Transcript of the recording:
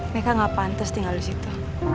meka gak pantas tinggal di situ